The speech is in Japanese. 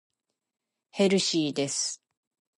ヘルシーです。